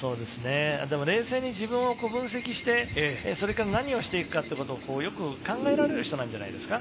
冷静に自分を分析して、何をしていくかというのをよく考えられる人なんじゃないですか。